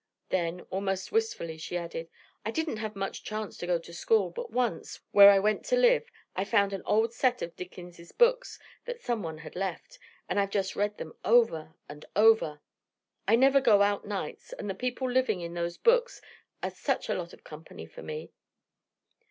Then, almost wistfully, she added: "I didn't have much chance to go to school, but once, where I went to live, I found an old set of Dickens' books that someone had left, and I've just read them over and over. I never go out nights and the people living in those books are such a lot of company for me."